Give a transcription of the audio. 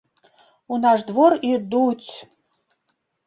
У наш двор ідуць.